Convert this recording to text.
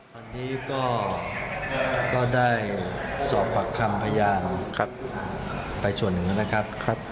วันนี้ก็ได้สอบควักคำพยาไปส่วนหนึ่งแล้วนะครับ